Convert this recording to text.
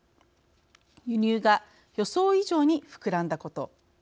輸入が予想以上に膨らんだこと。